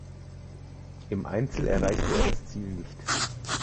Im Einzel erreichte er das Ziel nicht.